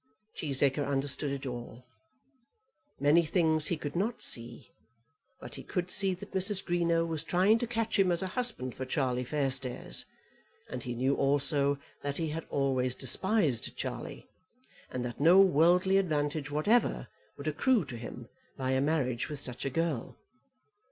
Cheesacre understood it all. Many things he could not see, but he could see that Mrs. Greenow was trying to catch him as a husband for Charlie Fairstairs; and he knew also that he had always despised Charlie, and that no worldly advantage whatever would accrue to him by a marriage with such a girl.